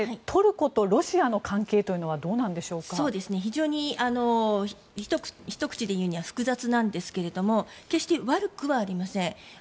トルコとロシアの関係というのは非常にひと口で言うには複雑なんですが決して悪くはありません。